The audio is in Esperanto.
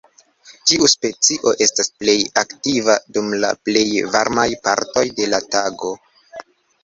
Tiu specio estas plej aktiva dum la plej varmaj partoj de la tago.